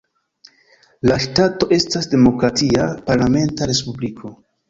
La ŝtato estas demokratia, parlamenta respubliko.